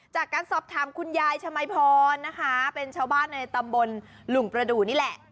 จากการสอบถามคุณยายชมัยพรนะคะเป็นชาวบ้านในตำบลหลุงประดูกนี่แหละ